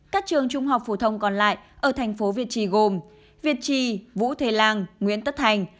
các trường trung học phổ thông còn lại ở tp việt trì gồm việt trì vũ thề lan nguyễn tất thành